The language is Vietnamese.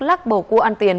lắc bầu cua ăn tiền